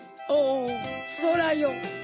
おおそらよ！